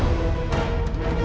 aku ingin bicara sama bella